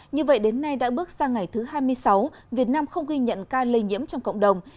như vậy đến nay đã bước sang ngày thứ hai mươi sáu việt nam không ghi nhận ca lây nhiễm trong cộng đồng